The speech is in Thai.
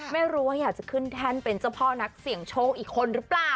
ไม่รู้ว่าอยากจะขึ้นแท่นเป็นเจ้าพ่อนักเสี่ยงโชคอีกคนหรือเปล่า